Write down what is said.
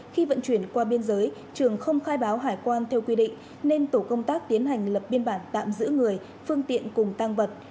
khi vận chuyển qua biên giới trường không khai báo hải quan theo quy định nên tổ công tác tiến hành lập biên bản tạm giữ người phương tiện cùng tăng vật